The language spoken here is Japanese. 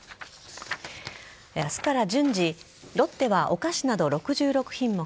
明日から順次ロッテはお菓子など６６品目